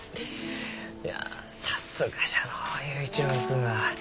いやさすがじゃのう佑一郎君は。